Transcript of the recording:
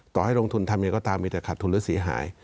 ต่อให้ลงทุนทำอย่างไรก็ตามมีแต่ขาดทุนหรือเสียหาย